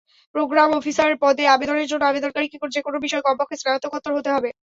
Programme officer পদে আবেদনের জন্য আবেদনকারীকে যেকোনো বিষয়ে কমপক্ষে স্নাতকোত্তর হতে হবে।